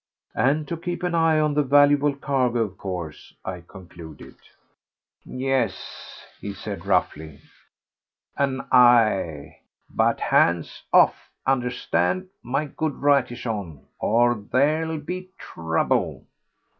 "And to keep an eye on the valuable cargo, of course?" I concluded. "Yes," he said roughly, "an eye. But hands off, understand, my good Ratichon, or there'll be trouble."